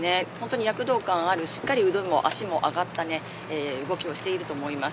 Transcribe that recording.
躍動感のあるしっかりと腕も足も上がった動きをしていると思います。